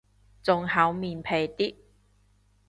仲厚面皮啲